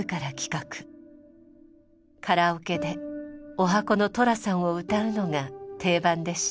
カラオケで十八番の寅さんを歌うのが定番でした。